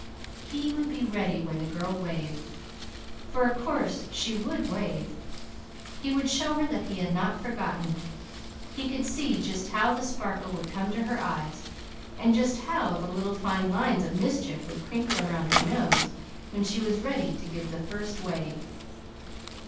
He would be ready when the girl waved for of course she would wave; he would show her that he had not forgotten. He could see just how the sparkle would come to her eyes, and just how the little fine lines of mischief would crinkle around her nose when she was ready to give that first wave.